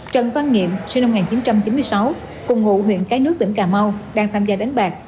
trần văn nghiệm sinh năm một nghìn chín trăm chín mươi sáu cùng ngụ huyện cái nước tỉnh cà mau đang tham gia đánh bạc